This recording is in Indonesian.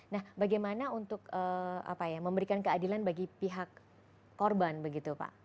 nah bagaimana untuk memberikan keadilan bagi pihak korban begitu pak